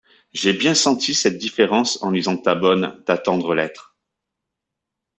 J’ai bien senti cette différence en lisant ta bonne, ta tendre lettre.